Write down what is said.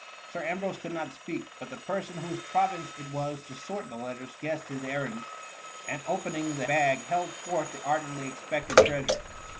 Sir Ambrose could not speak, but the person whose province it was to sort the letters guessed his errand, and opening the bag held forth the ardently expected treasure.